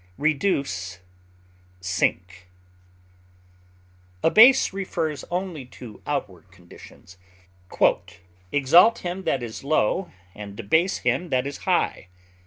degrade, Abase refers only to outward conditions. "Exalt him that is low, and abase him that is high."